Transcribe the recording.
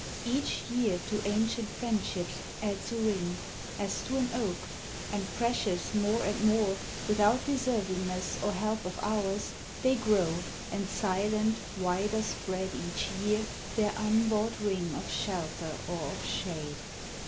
Each year to ancient friendships adds a ring, As to an oak, and precious more and more, Without deservingness or help of ours, They grow, and, silent, wider spread, each year, Their unbought ring of shelter or of shade.